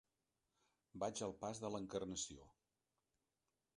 Vaig al pas de l'Encarnació.